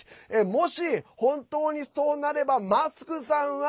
もし本当にそうなればマスクさんは。